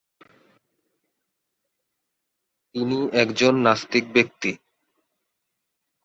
তিনি একজন নাস্তিক ব্যক্তি।